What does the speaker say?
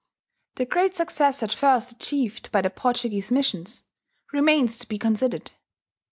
The great success at first achieved by the Portuguese missions remains to be considered.